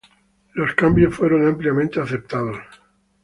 Los cambios fueron ampliamente aceptados.